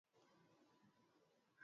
uwanda wa Ulaya ya Mashariki na uwanda wa